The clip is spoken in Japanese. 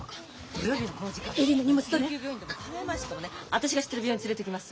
私が知ってる病院連れていきます。